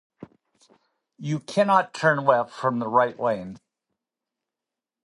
You cannot turn left from the right lane.